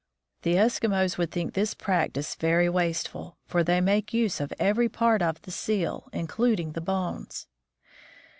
The Eskimos would think this practice very wasteful, for they make use of every part of the seal, including the bones.